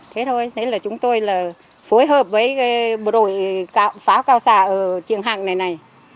thế thôi thế là chúng tôi là phối hợp với bộ đội pháo cao xạ ở trường hạng này này